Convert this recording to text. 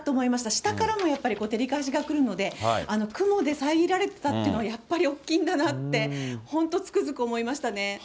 下からもやっぱり照り返しがくるので、雲でさえぎられてたというのは、やっぱり大きいんだなって、本当、つくづく思いましたね。